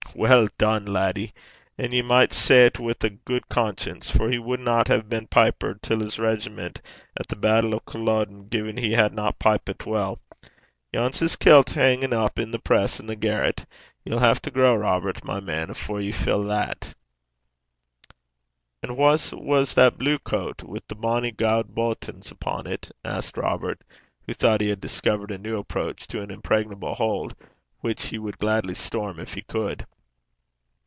'Weel dune, laddie! And ye micht say 't wi' a gude conscience, for he wadna hae been piper till 's regiment at the battle o' Culloden gin he hadna pipit weel. Yon's his kilt hingin' up i' the press i' the garret. Ye'll hae to grow, Robert, my man, afore ye fill that.' 'And whase was that blue coat wi' the bonny gowd buttons upo' 't?' asked Robert, who thought he had discovered a new approach to an impregnable hold, which he would gladly storm if he could.